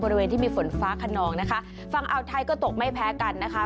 บริเวณที่มีฝนฟ้าขนองนะคะฝั่งอ่าวไทยก็ตกไม่แพ้กันนะคะ